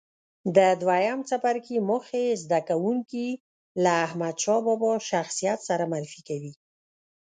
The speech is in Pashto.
د دویم څپرکي موخې زده کوونکي له احمدشاه بابا شخصیت سره معرفي کوي.